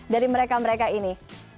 dari mereka mereka ini